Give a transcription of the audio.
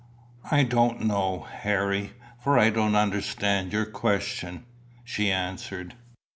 "I don't know, Harry, for I don't understand your question," she answered.